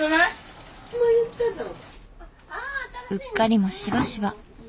うっかりもしばしば。